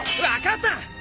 分かった！